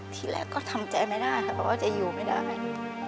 ทีแรกก็ทำใจไม่ได้ค่ะเพราะว่าจะอยู่ไม่ได้